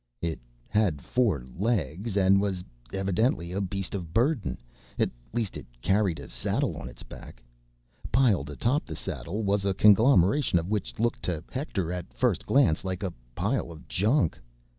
It had four legs, and was evidently a beast of burden. At least, it carried a saddle on its back. Piled atop the saddle was a conglomeration of what looked to Hector—at first glance—like a pile of junk.